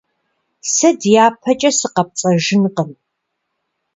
Сэ дяпэкӀэ сыкъэпцӀэжынкъым.